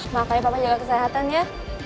makanya papa jaga kesehatan ya